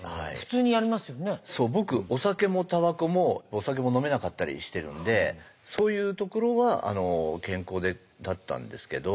お酒も飲めなかったりしてるんでそういうところは健康だったんですけど。